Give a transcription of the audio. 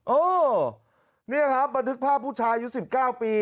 เออนี่ครับบันทึกภาพผู้ชายอายุ๑๙ปี